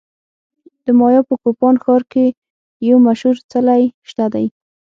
د مایا په کوپان ښار کې یو مشهور څلی شته دی